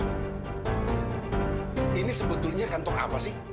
sementara ini sebetulnya kantor apa sih karena